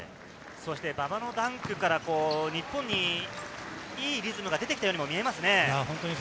馬場のダンクから日本にいいリズムが出てきたように見えますね。